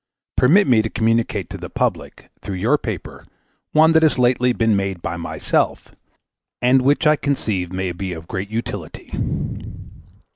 Permit me to communicate to the public, through your paper, one that has lately been made by myself, and which I conceive may be of great utility.